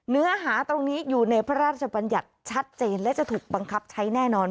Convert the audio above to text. เนื้อหาตรงนี้อยู่ในพระราชบัญญัติชัดเจนและจะถูกบังคับใช้แน่นอน